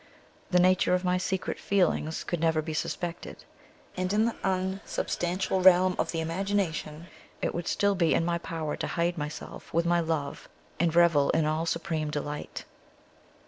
The nature of my secret feelings could never be suspected, and in the unsubstantial realm of the imagination it would still be in my power to hide myself with my love, and revel in all supreme delight.